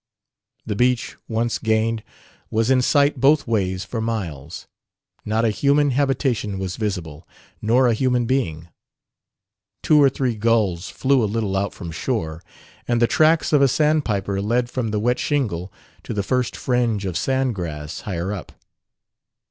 The beach, once gained, was in sight both ways for miles. Not a human habitation was visible, nor a human being. Two or three gulls flew a little out from shore, and the tracks of a sandpiper led from the wet shingle to the first fringe of sandgrass higher up.